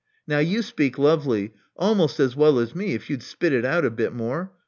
Now you speak lovely — almost as well as me, if you'd spit it out a bit more.